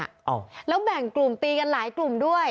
อ้าวแล้วแบ่งกลุ่มตีกันหลายกลุ่มด้วย